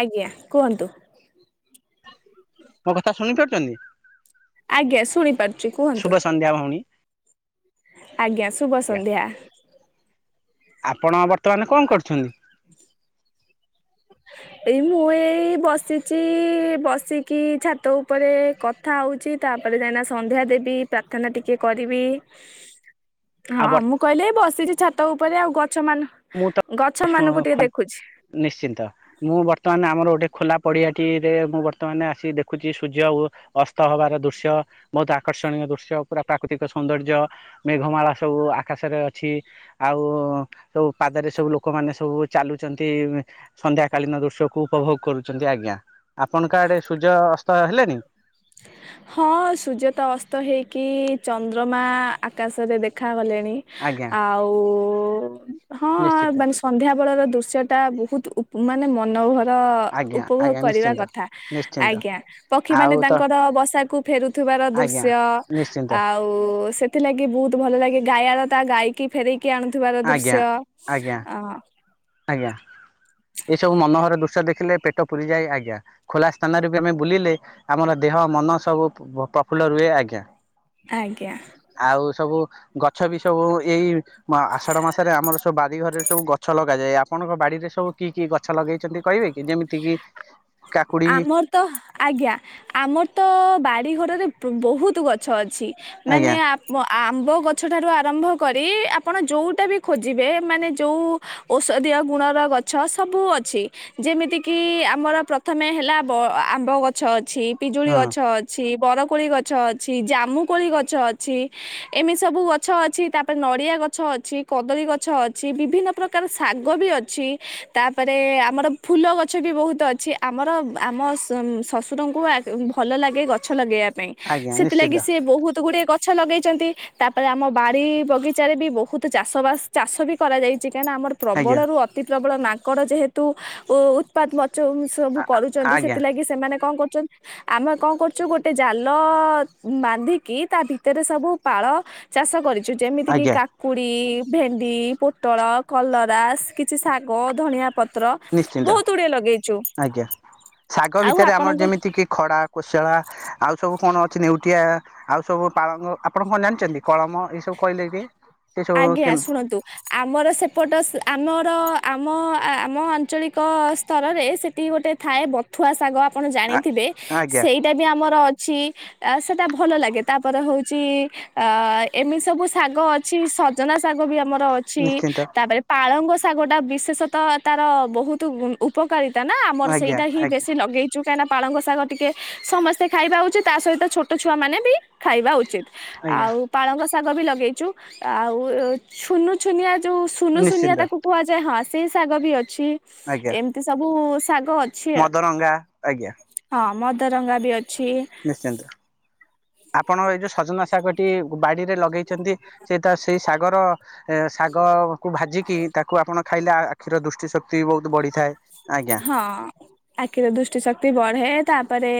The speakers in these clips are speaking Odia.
ଆଜ୍ଞା କୁହନ୍ତୁ। ମୋ କଥା ଶୁଣି ପାରୁଛନ୍ତି ଆଜ୍ଞା ଶୁଣିପାରୁଛି କୁହନ୍ତୁ ଶୁଭ ସନ୍ଧ୍ୟା ଭଉଣୀ। ଆଜ୍ଞା ଶୁଭ ଆଜ୍ଞା ସନ୍ଧ୍ୟା। ଆପଣ ବର୍ତ୍ତମାନ କଣ କରୁଛନ୍ତି? ହଁ ଏଇ ମୁଁ ଏଇ ବସିଛି ବସିକି ଛାତ ଉପରେ କଥା ହଉଛି ତା ତାପରେ ଯାଇନା ସନ୍ଧ୍ୟା ଦେବି ପ୍ରାର୍ଥନା ଟିକେ କରିବି ଆଉ ହଁ ବର୍ ମୁଁ କହିଲି ଏ ବସିଛି ଛାତ ଉପରେ ଆଉ ଗଛ ମ ମୁଁ ତ ଗଛ ମାନଙ୍କୁ ଟିକେ ଦେଖୁଛି। ନିଶ୍ଚିନ୍ତ। ମୁଁ ବର୍ତ୍ତମାନ ଆମର ଗୋଟେ ଖୋଲା ପଡିଆଟିରେ ମୁଁ ବର୍ତ୍ତମାନ ଆସିିକ ଦେଖୁଛି ସୂର୍ଯ୍ୟ ଅସ୍ତ ହବାର ଦୃଶ୍ୟ ମୁ ତା କର୍ଷଣୀୟ ଦୃଶ୍ୟ ପୁରା ପ୍ରାକୃତିକ ସୌନ୍ଦର୍ଯ୍ୟ ମେଘମାଳା ସବୁ ଆକାଶରେ ଅଛି ଆଉ ସବୁ ପାଦରେ ସବୁ ଲୋକମାନେ ସବୁ ଚାଲୁଛନ୍ତି ସନ୍ଧ୍ୟା କାଳୀନ ଦୃଶ୍ୟକୁ ଉପଭୋଗ କରୁଛନ୍ତି ଆଜ୍ଞା। ଆପଣଙ୍କ ଆଡେ ସୂର୍ଯ୍ୟ ଅସ୍ତ ହେଲେଣିି? ହଁ ସୁୂର୍ଯ ତ ଅସ୍ତ ହେଇକି ଚନ୍ଦ୍ରମା ଆକାଶରେ ଦେଖାାଗଲେ ଣୀ ଆଜ୍ଞା ଆଉ ହଁ ନିଶ୍ଚିନ୍ତ ମାନେ ସନ୍ଧ୍ୟା ବେଳ ଦୃ ଶ ଟା ବହୁତ ମାନେ ମନ ଆଜ୍ଞା ଉପଭୋଗ ଆଜ୍ଞା କରିବା ନିଶ୍ଚିନ୍ତ। କଥା ନିଶ୍ଚିନ୍ତ ଆଜ୍ଞା ପକ୍ଷୀ ମାନେ ଆଉ ତ ତାଙ୍କ ବଷାକୁ ଫେରୁଥିବାର ଆଜ୍ଞା ଦୃଶ୍ୟ ନିଶ୍ଚିନ୍ତ ଆଉ ସେ ଥିଲାଗି ବହୁତ ଭଲ ଲାଗେ ଗାୟାଳ ତା ଗାଇକି ଫେରେଇ କି ଆଣୁଥିବାର ଆଜ୍ଞା ଦୃଶ୍ୟ ଅ ଆଜ୍ଞା ଆଜ୍ଞା ଏସବୁ ମନୋହର ଦୃଶ୍ୟ ଦେଖିଲେ ପ ଟ ପୁରି ଯାଏ। ଆଜ୍ଞା ଖୋଲା ସ୍ଥାନରେ ବି ଆମେ ବୁଲିଲେ ଆମର ଦେହ ମନ ସବୁ ପ୍ରଫୁଲ୍ଲ ରୁହେ। ଆଜ୍ଞା। ଆଜ୍ଞା। ଆଉ ସବୁ ଗଛ ବି ସବୁ ଏଇ ଆଷାଢ ମାସରେ ଆମର ସବୁ ବାରିଘରରେ ସବୁ ଗଛ ଲଗ ଲଗା ଯାଏ। ଆପଣଙ୍କ ବାଡି ରେ ସବୁ କି କି ଗଛ ଲଗେଇ ଛନ୍ତି କହିବେ କି ଯେମିତି କି କାକୁଡି ଆମର ତ ଆଜ୍ଞା ଆମର ତ ବାଡ଼ିଘରରେ ବହୁତ ଗଛ ଅଛି। ମାନେ ଆଜ୍ଞା ଆପ ଆପ୍ ଆମ୍ବ ଗଛଠାରୁ ଆରମ୍ଭ କରି ଆପଣ ଯୋଉଟା ବି ଖୋଜିବେ ମାନେ ଯଉ ଔଷଧି ଗୁଣର ଗଛ ସବୁ ଅଛି। ଯେମିତି କିି ଆମର ପ୍ରଥମେ ହେଲା ବ ଆମ୍ବ ଗଛ ଅଛି ପିଜୁଳି ହଁ ଗଛ ଅଛି। ବରକୋଳି ଗଛ ଅଛି ଜାମୁକୋଳି ଗଛ ଅଛି ଏମିତି ସବୁ ଗଛ ଅଛି ତାପରେ ନଡିଆ ଗ ଗଛ ଅଛି କଦଳୀ ଗଛ ଅଛି। ବିଭିନ୍ନ ପ୍ରକାର ଶାଗ ବି ଅଛି। ତାପରେ ଆପ୍ ଆମର ଫୁଲ ଗଛ ବି ବହୁତ ଅଛି ଆମର ଆମ ଶ୍ୱଶୁରଙ୍କୁ ଭଲ ଲାଗେ ଗଛ ଲଗେଇବା ପାଇଁ ପାଇଁ ଆଜ୍ଞା ନିଶ୍ଚିନ୍ତ ସେଥିଲାଗି ସେ ବହୁତ ଗୁଡେ ଗଛ ଲଗେଇଛନ୍ତି ତାପରେ ଆମ ବାଡି ବଗିଚାରେ ବି ବହୁତ ଚାଷ ବାସ ଚାଷ ବି କରାଯାଇଛି। କାହିଁକିନା ଆମ ଆଜ୍ଞା ପ୍ରବଳରୁ ଅତି ପ୍ରବଳ ମାଙ୍କଡ ଯେହେତୁ ଉତ୍ପାତ ମ ସବୁ କରୁଛନ୍ତି ଆଜ୍ଞା ସେଥିଲାଗି ସେମାନେ କଣ କରୁ ଆମେ କଣ କରୁଛୁ ଗୋଟେ ଜାଲ ବାନ୍ଧିକି ତା ଭିତରେ ସବୁ ପାଳ ଚାଷ କରିଛୁ ଯେମିତି କିି ଆଜ୍ଞା କାକୁଡି ଭେଣ୍ଡି ପୋଟଳ କଲରାସ କିଛି ଶାଗ ଧନଆ ପତ୍ର ନିଶ୍ଚିନ୍ତ ବହୁତ ଗୁଡିଏ ଲଗେଇ ଆଜ୍ଞା ଶାଗ ଭିତରେ ଆମର ଆପଣଙ୍କ ଯେମିତି କି ଖଡା କୋଶଳା। ଆଉ ସବୁ କଣ ଅଛି? ନେଉଟିଆ ଆଉ ସବୁ ପାଳଙ୍ଗ ଆପଣ କଣ ଜାଣିଛନ୍ତି? କଳମ ଏଇ ସବୁ କହିଲେ କି ଆଜ୍ଞା ଶୁଣନ୍ତୁ ଆମର ସେପଟ ଆମର ଆମ ଆମ ଆଞ୍ଚଳିକ ସ୍ତରରେ ସେଠି ଗୋଟେ ଥାଏ ବଥୁଆ ଶାଗ ଆପଣ ଆ ଜାଣିଥିବେ ଆଜ୍ଞା ସେଇଟା ବି ଆମର ଅ ଅଛି ସେଟା ଭଲ ଲାଗେ ତାପରେ ହଉଛି ଅ ଏମିତି ସବୁ ଶାଗ ଅ ଅଛି ସଜନା ଶାଗ ବି ଆମର ଅଛି ନିଶ୍ଚିନ୍ତ ତାପରେ ପାଳଙ୍ଗ ଶା ଶାଗଟା ବିଶେଷତଃ ତାର ବହୁତ ଉପକାରିତା ନା ଆମର ଆଜ୍ଞା ସେଇଟା ହିଁ ଆଜ୍ଞା ବେଶୀ ଲଗେଇଛୁ। କାହିଁନା ପାଳଙ୍ଗ ଶାଗ ଟିକେ ସମସ୍ତେ ଖାଇବା ଉଚିତ ତା ସହିତ ଛୋଟ ଛୁଆ ମାନେ ବି ଖାଇବା ଉଚିତ। ଆଜ୍ଞା ଆଉ ପାଳଙ୍ଗ ଶାଗ ବି ଲଗେଇଛୁ ଆଉ ଛୁନୁ ଛୁନିଆ ଯୋଉ ସୁନୁ ସୁୁନିଆ ନିଶ୍ଚିନ୍ତ ତାକୁ କୁହାଯାଏ। ହଁ ସେଇ ଶାଗ ବି ଅଛି ଆଜ୍ଞା ଏମିତି ସବୁ ଶାଗ ଅଛି ମଦରଙ୍ଗା ଆଜ୍ଞା ହଁ ମଦରଙ୍ଗା ବି ଅଛି। ନିଶ୍ଚିନ୍ତ ଆପଣ ଏଇ ଯୋଉ ସଜନା ଶାଗଟି ବାଡିରେ ଲଗେଇ ଛନ୍ତି ସେ ତା ସେଇ ଶାଗର ଶାଗକୁ ଭାଜିକି ତାକୁ ଆପଣ ଖାଇଲେ ଆଖିର ଦୃଷ୍ଟି ଶକ୍ତି ବି ବହୁତ ବଢ଼ିଥାଏ। ହଁ ଆଖିରେ ଦୃଷ୍ଟି ଶକ୍ତି ବଢେ। ତାପରେ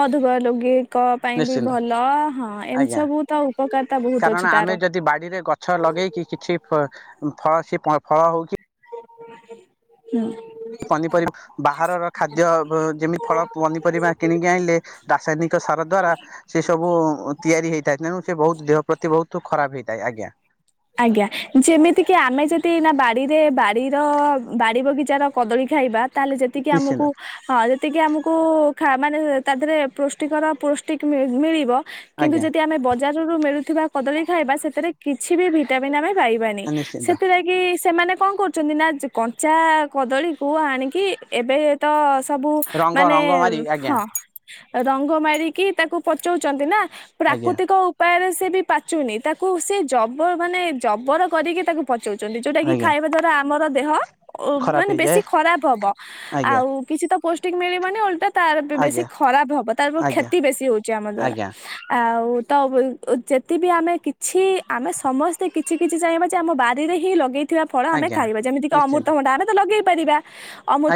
ମଧୁମହ ଲୋଗୀ ଙ୍କ ପାଇଁ ବି ନିଶ୍ଚିନ୍ତ ଭଲ ହଁ ଆଜ୍ଞା ଏମିତି ସବୁ ତ ଉପକାରତା ବହୁତ ଅଛି ତାର। ଲଗେଇ କି କିଛି ଫଳ ଫଳ ସେ ଫଳ ହଉଛି ହୁଁ। ପନିପରିବା ବାହାରର ଖାଦ୍ୟ ବ ଯେମିତି ଫଳ ପନିପରିବା କିଣିକି ଆଣିଲେ ରାସାୟନିକ ସାର ଦ୍ଵାରା ସେ ସବୁ ତିଆରି ହେଇଥାଏ। ତେଣୁ ସେ ବହୁତ ଦେହ ପ୍ରତି ବହୁତ ଖରାପ ହେଇଥାଏ ଆଜ୍ଞା। ଆଜ୍ଞା ଯେମିତିକି ଆମେ ଯଦି ନା ବାଡିରେ ବାଡିର ବାଡି ବଗିଚାର କଦଳୀ ଖାଇବା ତାହେଲେ ଯେତିକି ନିଶ୍ଚିନ୍ତ ଆମକୁ ହଁ ଯେତିକି ଆମକୁ ମାନେ ତା ଦେହେରେ ପଷ୍ଟିକର ପଷ୍ଟିକ୍ ମି ମିଳିବ। କିନ୍ତୁ ଆଜ୍ଞା ଯଦି ଆମେ ବ ବଜାରରୁ ମିଳୁଥିବା କଦଳୀ ଖାଇବା ସେଥିରେ କିଛି ବି ଭିଟାମିନ୍ ଆମେ ପାଇବାନି। ନିଶ୍ଚିନ୍ତ ସେଥିରେ ଯାଇକି ସେମାନେ କଣ କରୁଛନ୍ତି ନା କଞ୍ଚା କଦଳୀକୁ ଆଣିକି ଏବେ ତ ସବୁ ରଙ୍ଗ ମାନେ ରଙ୍ଗ ମାରି ଆଜ୍ଞା ହଁ ରଙ୍ଗ ମାରିକି ତାକୁ ପଚଉଛନ୍ତି ନା। ଆଜ୍ଞା ପ୍ରାକୃତିକ ଉପାୟରେ ସେ ବି ପାଚୁନି। ତାକୁ ସେ ଜବ ମାନେ ଜବର କରିକି ତାକୁ ପଚଉଛନ୍ତି। ଯୋଉଟା କି ଆଜ୍ଞା ଖାଇବା ଦ୍ଵାରା ଆମର ଦେହ ଖରାପ ମାନେ ବେଶୀ ହେଇଯାଏ ଖରାପ ହବ। ଆଜ୍ଞା ଆଉ କିଛି ତ ପୌଷ୍ଟିକ ମିଳିବନି ଓଲଟା ତାର ବି ବେଶୀ ଆଜ୍ଞା ଖରାପ ହବ। ତାର ଆଜ୍ଞା କ୍ଷତି ବେଶୀ ହଉଛି ଆମ ଦ୍ଵାରା। ଆଜ୍ଞା ଆଉ ତ ଯେତ ବିି ଆମେ କିଛି ଆମେ ସମସ୍ତ ତ କିଛି କିଛି ଚାହିଁବା ଯେ ଆମ ବାରିରେ ହିଁ ଲଗେଇ ଥିବା ଫଳ ଆଜ୍ଞା ଆମେ ଆଜ୍ଞା ଖାଇବା। ଯେମିତି କିି ନିଶ୍ଚିନ୍ତ ଅମୃତଭଣ୍ଡା ଆମେ ତ ଲଗେଇ ପାରିବା।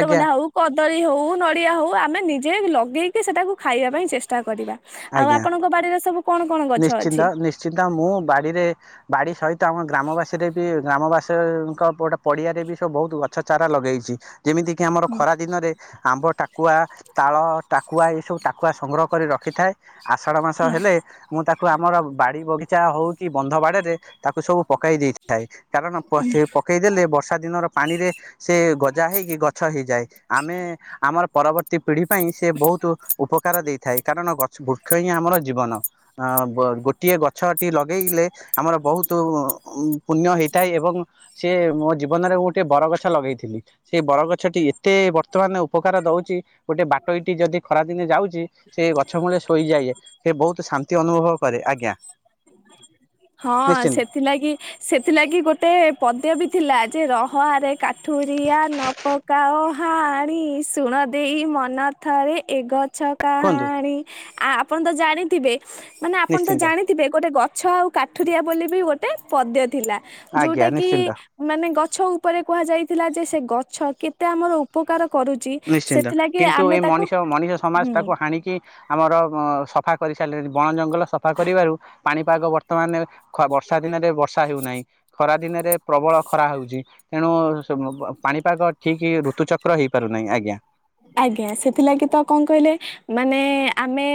ଆଜ୍ଞା ହଉ କଦ କଦଳି ହୋଉ ନଡିଆ ହୋଉ। ଆମେ ନିଜେ ଲଗେଇକି ସେଟାକୁ ଖାଇବା ପାଇଁ ଚେଷ୍ଟା କରିବା। ଆଉ ଆଜ୍ଞା ଆପଣଙ୍କ ବାଡିରେ ସବୁ କଣ କଣ ଗଛ ଅଛି? ନିଶ୍ଚିନ୍ତ ନିଶ୍ଚିନ୍ତ ମୁଁ ବାଡିରେ ବାଡି ସହିତ ତ ଆମ ଗ୍ରାମବାସୀରେ ବି ଗ୍ରାମବାସୀଙ୍କ ଗୋଟେ ପଡିଆରେ ବି ସବୁ ବହୁତ ଗଛ ଚାରା ଲଗେଇଛି। ଯେମିତିକି ଆମର ହୁଁ ଖରା ଦିନରେ ଆମ୍ବ ଟା କୁଆ ତାଳ ଟାକୁଆ ଏସବୁ ଟାକୁଆ ସଂଗ୍ରହ କରି ରଖିଥାଏ। ଆଷାଢ ମାସ ହେଲେ ମୁଁ ତାକୁ ତାକୁ ଆମର ବାଡି ବଗିଚା ହଉ କି ବନ୍ଧ ବାଡରେ ତାକୁ ସବୁ ପକେଇ ଦେଇଥାଏ। କାରଣ ସେ ପକେଇଦେଲେ ବର୍ଷା ଦିନର ପାଣିରେ ସେ ଗଜା ହେଇକି ଗଛ ହେଇଯାଏ। ଆମେ ଆମର ପରବର୍ତ୍ତୀ ପିଢି ପାଇଁ ସେ ବହୁତ ବହୁତ ଉପକାର ଦେଇଥାଏ। କାରଣ ଗଛ ବୃକ୍ଷ ହିଁ ଆମର ଜୀବନ। ଅ ଗୋଟିଏ ଗଛଟି ଲଗେଇଲେ ଆମର ବହୁତ ପୁଣ୍ୟ ହେଇଥାଏ। ଏବଂ ସେ ମୋ ଜୀବନରେ ମୁ ଗୋଟେ ବରଗଛ ଲଗେଇଥିଲି। ସେ ବରଗଛଟି ଏତେ ବର୍ତ୍ତମାନ ଉପକାର ଦଉ ଗୋଟେ ବାଟୋଇଟି ଯଦି ଖରା ଦିନେ ଯାଉଛି। ସେ ଗଛ ମୂଳେ ଶୋଇଯାଏ। ସେ ବହୁତ ଶାନ୍ତି ଅନୁଭବ କରେ। ଆଜ୍ଞା। ହଁ ନିଶ୍ଚିନ୍ତ ସେଥିଲାଗି ସେଥିଲାଗି ଗୋଟେ ପଦ୍ୟ ବି ଥିଲା। ଯେ ରହରେ କାଠୁରିଆ ନ ପକାଓ ହାଣି ଶୁଣ ଦେଇ ମନ ଥରେ ଏଗ ଛ କୁହନ୍ତୁ କାହାଣୀ ଆ ଆପଣ ତ ଜାଣିଥିବେ। ମାନେ ଆପଣ ତ ନିଶ୍ଚିନ୍ତ ଜାଣିଥିବେ। ଗୋଟେ ଗ ଗଛ ଆଉ କାଠୁରିଆ ବୋଲି ବି ଗୋଟେ ପଦେତ୍ ଥିଲା ଆଜ୍ଞା ଯୋଉଟା କି ନିଶ୍ଚିନ୍ତ। ମାନେ ଗଛ ଉପରେ କୁହାଯାଇଥିଲା ଯେ ସେ ଗଛ କେତେ ଆମର ଉପକାର କରୁଛି ନିଶ୍ଚିନ୍ତ ସେଥିଲାଗି କିନ୍ତୁ ଆମେ ଏଇ ତାକୁ ମଣିଷ ମଣିଷ ସମାଜ ହୁଁ ତାକୁ ହାଣିକି ଆମର ସଫା କରିସାରିଲେଣି। ବଣ ଜଙ୍ଗଲ ସଫା କରିବାରୁ ପାଣିପାଗ ବର୍ତ୍ତମାନ ବର୍ଷା ଦିନରେ ବର୍ଷା ହେଉନାହିଁ ଖରା ଦିନେ ପ୍ରବଳ ଖରା ହଉଛି ତେଣୁ ପାଣିପାଗ ଠିକ୍ ଋତୁଚକ୍ର ହେଇ ପାରୁନାହିଁ ଆଜ୍ଞା। ଆଜ୍ଞା ସେଥିଲାଗି ତ କଣ କହିଲେ ମାନେ ଆମେ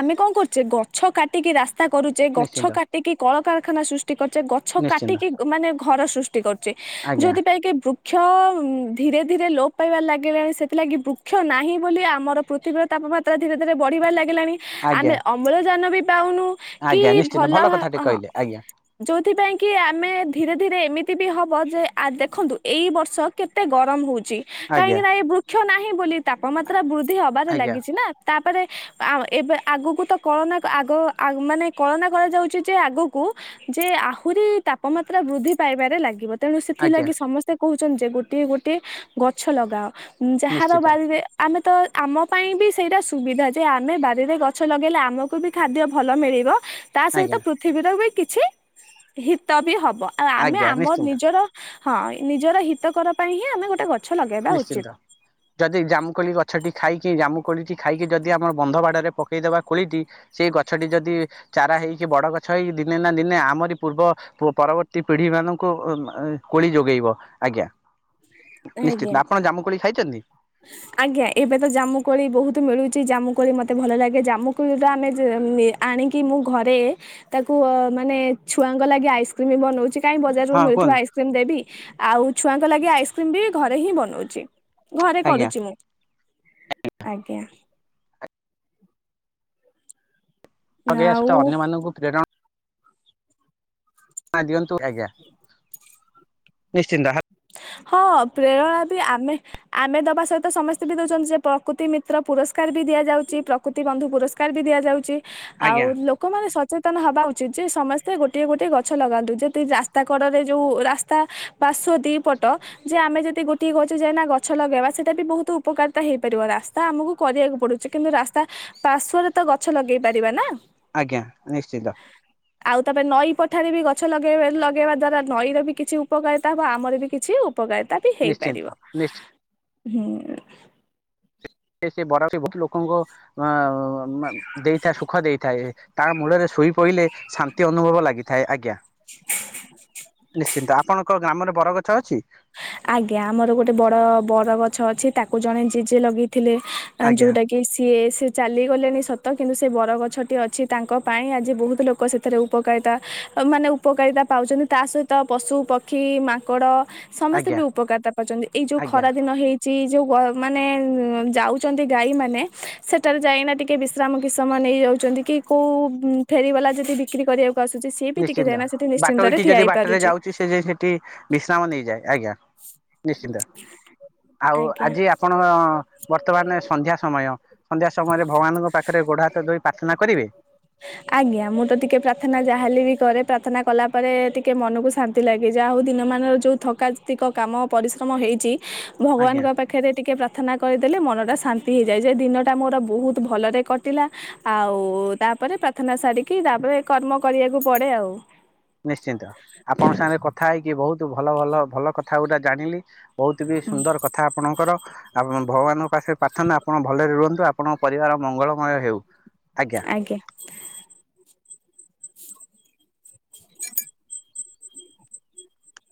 ଆମେ କଣ କରୁଛେ। ଗଛ କାଟିକି ରାସ୍ ତା କରୁଛେ ଗଛ ନିଶ୍ଚିନ୍ତ କାଟିକି କଳକାରଖାନା ସୃଷ୍ଟି କରୁଛେ। ଗଛ ନିଶ୍ଚିନ୍ତ କାଟିକି ମାନେ ଘର ସୃଷ୍ କରୁଚେ ଆଜ୍ଞା ଯୋଉଥିପାଇଁ କି ବୃକ୍ଷ ଧୀରେ ଧୀରେ ଲୋପ ପାଇବାର ଲାଗିଲାଣି। ସେଥିଲାଗି ବୃକ୍ଷ ନାହିଁ ବୋଲି ଆମର ପୃଥିବୀର ତାପମାତ୍ରା ଧୀରେ ଧୀରେ ବଢିବାରେ ଲାଗି ଣି ଆଜ୍ଞା ଆମେ ଅମ୍ଳଜାନ ବି ପାଉନୁ। କି ଆଜ୍ଞା ନିଶ୍ଚିନ୍ତ ଭଲ କଥାଟେ ହଁ କହିଲେ ଆଜ୍ଞା ଯୋଉଥିପାଇଁ କି ଆମେ ଧୀରେ ଧୀରେ ଏମିତି ବି ହବ ଯେ ଆ ଦେଖନ୍ତୁ ଏଇ ବର୍ଷ କେତେ ଗରମ ହଉଛି। ଆଜ୍ଞା କାହିଁକି ନା ଏ ବୃ ନାହିଁ ବୋଲି ତାପମାତ୍ରା ବୃଦ୍ଧି ହବାରେ ଆଜ୍ଞା ଲାଗିଛି ନା। ତାପରେ ଆ ଏବେ ଆଗକୁ ତ କଳନା ଆଗ ଆ ମାନେ କଳନା କରାଯାଉଛି ଯେ ଆଗକୁ ଯେ ଆହୁରି ତାପମାତ୍ରା ବୃଦ୍ଧି ପାଇବାରେ ଲାଗିବ। ତେଣୁ ଆଜ୍ଞା ସେଥିଲାଗି ସମସ୍ତେ କହୁଛନ୍ତି ଯେ ଗୋଟିଏ ଗୋଟିଏ ଗଛ ଲଗାଅ। ଯାହାର ନିଶ୍ଚିତ ବାରିରେ ଆମେ ତ ଆମ ପାଇଁ ବି ସେଇଟା ସୁବିଧା। ଯେ ଆମେ ବାରିରେ ଗଛ ଲଗାଇଲେ ଆମକୁ ବି ଖାଦ୍ୟ ଭଲ ମିଳିବ। ତା ସହିତ ଆଜ୍ଞା ପୃଥିବୀର ବି କିଛି ହିତ ବି ହବ। ଆ ଆମେ ଆଜ୍ଞା ଆମ ନିଶ୍ଚିନ୍ତ ନିଜର ହଁ ନିଜର ହିତକର ପାଇଁ ହିଁ ଆମେ ଗୋଟେ ଗ ଛ ଲଗାଇବା ନିଶ୍ଚିନ୍ତ ଉଚିତ୍। ଯଦି ଜାମୁକୋଳି ଗଛଟି ଖାଇକି ଜାମୁ କୋଳିଟି ଖାଇକି ଯଦି ଆମର ବନ୍ଧ ବାଡରେ ପକେଇଦବା କୋଳିଟି। ସେଇ ଗଛଟି ଯଦି ଚାରା ହେଇକି ବଡ ଗଛ ହେଇ ଦିନେ ନା ଦିନେ ଆମରି ପୂର୍ବ ପରବର୍ତ୍ତୀ ପିଢି ଢି ମାନଙ୍କୁ କୋଳି ଯୋଗେଇବ। ଆଜ୍ଞା। ନିଶ୍ଚିତ ଆଜ୍ଞା ଆପଣ ଜାମୁକୋଳି ଖାଇଛନ୍ତି? ଆଜ୍ଞା ଏବେ ତ ଜାମୁକୋଳି ବହୁତ ମିଳୁ ଚି ଜାମୁକୋଳି ମୋତେ ଭଲ ଲାଗେ। ଜାମୁକୋଳିଟା ଆମେ ଯେ ଆଣିକି ମୁଁ ଘରେ ତାକୁ ମାନେ ଛୁଆଙ୍କ ଲାଗି ଆଇସ୍କ୍ରିମ ବନଉଚି। କାଇଁ ବଜାରରୁ ହଁ ମିଳୁଥିବା କୁହନ୍ତୁ ଆଇସ୍କ୍ରିମ୍ ଦେବି। ଆଉ ଛୁଆଙ୍କ ଲାଗି ଆଇସ୍କ୍ରିମ୍ ବି ଘରେ ହିଁ ବନଉଚି। ଘରେ ଆଜ୍ଞା କରୁଛି ମୁଁ। ଆଜ୍ଞା। [unintelligible] ଆଉ ଅନ୍ୟମାନଙ୍କୁ ପ୍ରେରଣା ହଁ ଦିଅନ୍ତୁ ଆଜ୍ଞା। ନିଶ୍ଚିନ୍ତ ହଁ ପ୍ରେରଣା ବି ଆମେ ଆମେ ଦବା ସହିତ ସମସ୍ତେ ବି ଦଉଛନ୍ତି। ଯେ ପ୍ରକୃତି ମିତ୍ର ପୁରସ୍କାର ବି ଦିଆଯାଉଛି ପ୍ରକୃତି ବନ୍ଧୁ ପୁରସ୍କାର ବି ଦିଆଯାଉଛି। ଆଉ ଆଜ୍ଞା ଲୋକମାନେ ସଚେତନ ହବା ଉଚିତ୍ ଯେ ସମସ୍ତ ସ୍ତେ ଗୋଟିଏ ଗୋଟିଏ ଗଛ ଲଗାନ୍ତୁ ଯଦି ରାସ୍ତା କଡରେ ଯୋଉ ରାସ୍ତା ପାର୍ଶ୍ଵ ଦି ପଟ ଯେ ଆମେ ଯଦି ଗୋଟେ ଗଛ ଯ ଗଛ ଲଗେଇବା ସେଟା ବି ବହୁତ ଉପକାରିତା ହେଇପାରିବ ରାସ୍ତା ଆମକୁ କରିଆକୁ ପଡୁଚି କିନ୍ତୁ ରାସ୍ତା ପାର୍ଶ୍ୱରେ ତ ଗଛ ଲଗେଇ ପାରିବା ନା। ଆଜ୍ଞା ନିଶ୍ଚିତ। ଆଉ ତାପରେ ନଈ ପଠାରେ ବି ଗଛ ଲଗେଇ ଲଗେଇବା ଦ୍ଵାରା ନଈର ବି କିଛି ଉପକାରିତା ହେବ ଆମର ବି କିଛି ଉପକାରିତା ବି ନିଶ୍ଚିନ୍ତ ହେଇପାରିବ ନିଶ୍ଚିନ୍ତ ହୁଁ। ସେ ବରା ବହୁ ଲୋକଙ୍କୁ ଦେଇଥାଏ ସୁଖ ଦେଇଥାଏ। ତା ମୂଳରେ ଶୋଇ ପଇଲେ ଶାନ୍ତି ଅନୁଭବ ଲାଗିଥାଏ। ଆଜ୍ଞା। ନିଶ୍ଚିନ୍ତ ଆପଣଙ୍କ ଗ୍ରାମରେ ବରଗଛ ଅଛି। ଆଜ୍ଞା ଆମର ଗୋଟେ ବଡ ବର ଗଛ ଅଛି। ତାକୁ ଜଣେ ଜେଜେ ଲଗେଇ ଥିଲେ ଆଜ୍ଞା ଯୋଉଟା କି ସିଏ ସେ ଚାଲିଗଲେଣି ସତ। କିନ୍ତୁ ସେ ବରଗଛଟି ଅଛି ତାଙ୍କ ପାଇଁ ଆଜି ବହୁତ ଲୋକ ସେଥିରେ ଉପକାରିତା ମାନେ ଉପକାରିତା ପାଉଛନ୍ତି। ତା ସହିତ ପଶୁ ପକ୍ଷୀ ମାଙ୍କଡ ସମସ୍ତେ ଆଜ୍ଞା ବି ଉପକାରିତା ପାଉଛନ୍ତି। ଏଇ ଯୋଉ ଆଜ୍ଞା ଖରା ଦିନ ହେଇଛି ଯୋଉ ମାନେ ଯାଉଛନ୍ତି ଗାଈ ମାନେ ସେଠାରେ ଯାଇନା ଟିକେ ବିଶ୍ରାମ କି ସମୟ ନେଇଯାଉଛନ୍ତି। କି କୋଉ ଫେରି ବାଲା ଯଦି ବିକ୍ରି କରିବାକୁ ଆସୁଛି ସିଏ ବି ଟିକେ ନିଶ୍ଚିନ୍ତ ଯାଇନା ସେଠି ବାଟ ନିଶ୍ଚିନ୍ତରେ ଏଇଠି ଠିଆ ଯଦି ବାଟରେ ହେଇପାରୁଛି ଯାଉଛି ସେ ଯ ସେଠି ବିଶ୍ରାମ ନେଇଯାଏ ଆଜ୍ଞା। ନିଶ୍ଚିନ୍ତ ଆଉ ଆଜ୍ଞା ଆଜି ଆପଣଙ୍କ ବର୍ତ୍ତମାନ ସନ୍ଧ୍ୟା ସମୟ ସନ୍ଧ୍ୟା ସମୟରେ ଭଗବାନଙ୍କ ପାଖରେ ଗୋଡ ହାତ ଧୋଇ ପ୍ରାର୍ଥନା କରିବେ। ଆଜ୍ଞା ମୁଁ ତ ଟିକେ ପ୍ରାର୍ଥନା ଯାହାହେଲେ ବି କରେ। ପ୍ରାର୍ଥନା କଲା ପରେ ଟିକେ ମନକୁ ଶାନ୍ତି ଲାଗେ। ଯାହା ହଉ ଦିନ ମାନର ଯୋଉ ଥକା କାତିକ କାମ ପରିଶ୍ରମ ହେଇଛି। ଆଜ୍ଞା ଭଗବାନଙ୍କ ପାଖରେ ଟିକେ ପ୍ରା ପ୍ରାର୍ଥନା କରିଦେଲେ ମନଟା ଶାନ୍ତି ହେଇଯାଏ। ଯେ ଦିନଟା ମୋର ବହୁତ ଭଲରେ କଟିଲା। ଆଉ ତାପରେ ପ୍ରାର୍ଥନା ସାରିକି ତାପରେ କର୍ମ କରିବାକୁ ପଡେ ଆଉ। ନିଶ୍ଚିନ୍ତ ଆପଣଙ୍କ ସାଙ୍ଗରେ କଥା ହେଇକି ବହୁତ ଭଲ ଭଲ ଭଲ କଥା ଗୋଟା ଜାଣିଲି। ବହୁତ ବି ହୁଁ ସୁନ୍ଦର କଥା ଆପଣଙ୍କର। ଆ ଭଗବାନଙ୍କ ପାଖରେ ପ୍ରା ପ୍ରଥମେ ଆପଣ ଭଲରେ ରୁହନ୍ତୁ। ଆପଣଙ୍କ ପରିବାର ମଙ୍ଗଳମୟ ହେଉ। ଆଜ୍ଞା।